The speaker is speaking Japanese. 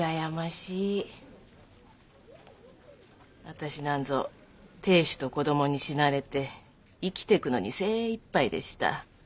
私なんぞ亭主と子供に死なれて生きてくのに精いっぱいでした。